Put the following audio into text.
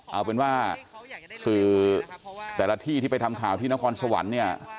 เอาเป็นว่าสื่อแต่ละที่ที่ไปทำข่าวที่นครสวรรค์เนี่ย